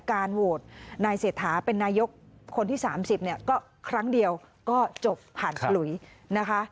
การโหวตนายเศรษฐาเป็นนายกคนที่๓๐เนี่ยก็ครั้งเดียวก็จบผ่านฉลุยนะคะ